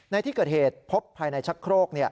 ในที่เกิดเหตุพบภายในชักโครก